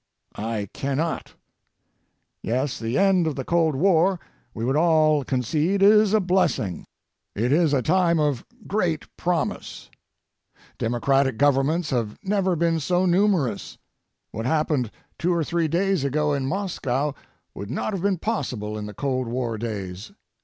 I cannot. Yes, the end of the cold war, we would all concede, is a blessing. It is a time of great promise. Democratic governments have never been so numerous. What happened 2 or 3 days ago in Moscow would not have been possible in the cold war days.